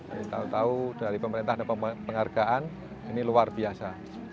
saya tahu tahu dari pemerintah ada penghargaan ini luar biasa